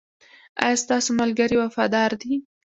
ایا ستاسو ملګري وفادار دي؟